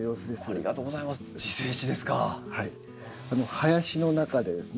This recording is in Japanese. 林の中でですね